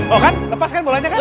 oh kan lepas kan bolanya kan